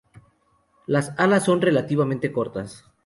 Las alas son relativamente cortas.